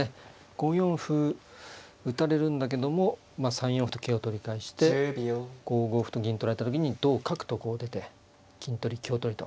５四歩打たれるんだけども３四歩と桂を取り返して５五歩と銀取られた時に同角とこう出て金取り香取りと。